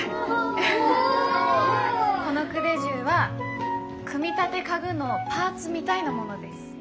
この組手什は組み立て家具のパーツみたいなものです。